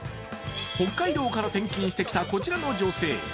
北海道から転勤してきた、こちらの女性。